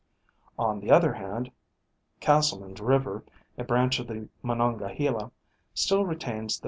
On the other hand, Castleman's river, a branch of the Monongahela, still retains the.